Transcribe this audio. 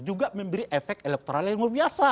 juga memberi efek elektoral yang luar biasa